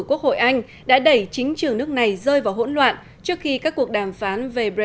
quốc hội anh đã đẩy chính trường nước này rơi vào hỗn loạn trước khi các cuộc đàm phán về brexit bắt đầu